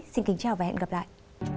xin kính chào và hẹn gặp lại